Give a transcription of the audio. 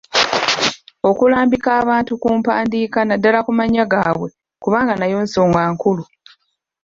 Okulambika abantu ku mpandiika naddala ku mannya gaabwe kubanga nayo nsonga nkulu.